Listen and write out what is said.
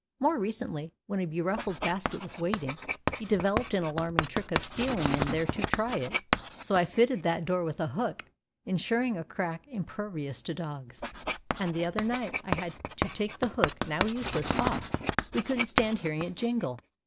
More recently, when a beruffled basket was waiting, he developed an alarming trick of stealing in there to try it, so I fitted that door with a hook, insuring a crack impervious to dogs. And the other night I had to take the hook, now useless, off; we couldn't stand hearing it jingle.